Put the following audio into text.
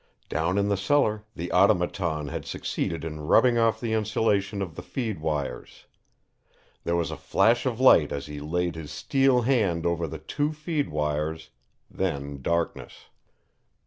Down in the cellar the Automaton had succeeded in rubbing off the insulation of the feed wires. There was a flash of light as he laid his steel hand over the two feed wires then darkness.